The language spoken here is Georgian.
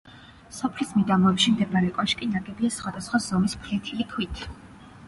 სოფლის მიდამოებში მდებარე კოშკი ნაგებია სხვადასხვა ზომის ფლეთილი ქვით.